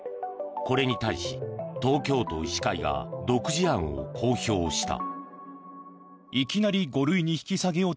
これに対し、東京都医師会が独自案を公表した。